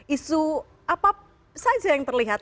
isu apa saja yang terlihat